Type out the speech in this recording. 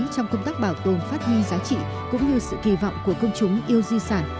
trong công tác bảo tồn phát huy giá trị cũng như sự kỳ vọng của công chúng yêu di sản